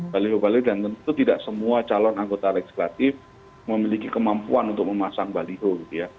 baliho baliho dan tentu tidak semua calon anggota legislatif memiliki kemampuan untuk memasang baliho gitu ya